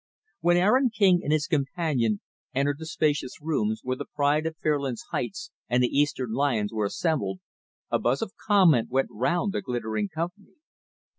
When Aaron King and his companion entered the spacious rooms where the pride of Fairlands Heights and the eastern lions were assembled, a buzz of comment went round the glittering company.